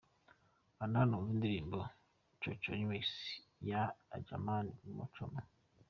Kanda hano wumve indirimbo 'Coco remix' ya Ramjaane Muchoma.